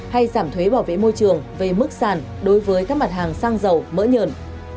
hay giảm thuế bảo vệ môi trường về mức sàn đối với các mặt hàng xăng dầu mỡ nhờn